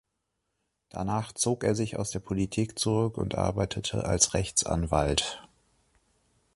Danach zog er sich aus der Politik zurück und arbeitete als Rechtsanwalt.